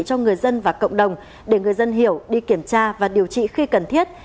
cho người dân và cộng đồng để người dân hiểu đi kiểm tra và điều trị khi cần thiết